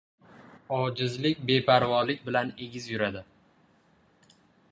• Ojizlik beparvolik bilan egiz yuradi.